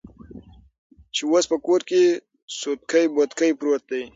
چې اوس په کور کې سوتکى بوتکى پروت دى.